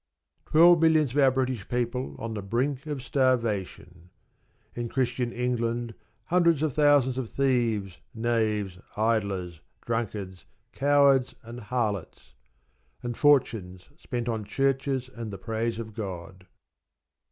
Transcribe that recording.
Twelve millions of our British people on the brink of starvation! In Christian England hundreds of thousands of thieves, knaves, idlers, drunkards, cowards, and harlots; and fortunes spent on churches and the praise of God.